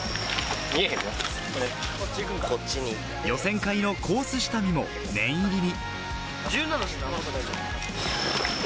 予選会のコース下見も念入りに。